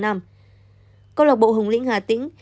các lọc bộ hồng lĩnh hà tĩnh